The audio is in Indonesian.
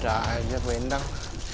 udah aja bu endang